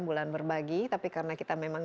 bulan berbagi tapi karena kita memang